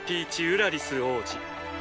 ＝ウラリス王子。